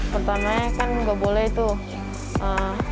pertamanya kan nggak boleh tuh